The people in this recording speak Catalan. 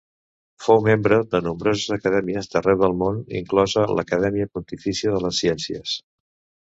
Fou membre de nombroses acadèmies d'arreu del món, inclosa l'Acadèmia Pontifícia de les Ciències.